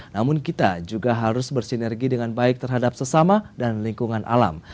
namun kita juga harus bersinergi dengan baik terhadap sesama dan lingkungan alam